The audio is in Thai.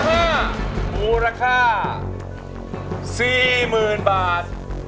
เรทที่๕มูลค่า๔๐๐๐๐บาท